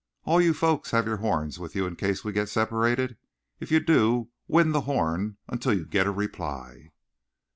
"All you folks have your horns with you in case we get separated. If you do, wind the horn until you get a reply."